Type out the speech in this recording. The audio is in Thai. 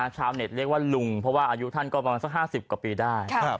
ชาวเน็ตเรียกว่าลุงเพราะว่าอายุท่านก็ประมาณสัก๕๐กว่าปีได้